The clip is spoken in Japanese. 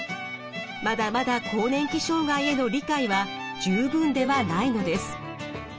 まだまだ更年期障害への理解は十分ではないのです。